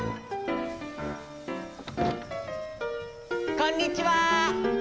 こんにちは！